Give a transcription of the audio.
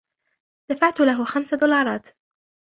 دفعت له خمسة دولارات.